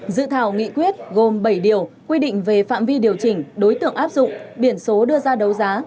dự thảo nghị quyết gồm bảy điều quy định về phạm vi điều chỉnh đối tượng áp dụng biển số đưa ra đấu giá